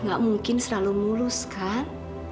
gak mungkin selalu mulus kan